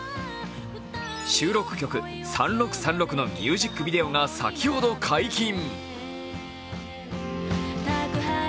収録曲「３６３６」のミュージックビデオが先ほど解禁。